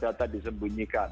jangan ada data disembunyikan